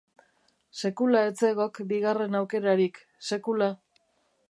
Sekula ez zegok bigarren aukerarik, sekula.